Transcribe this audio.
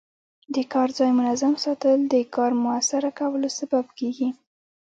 د کار ځای منظم ساتل د کار موثره کولو سبب کېږي.